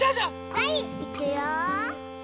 はいいくよ。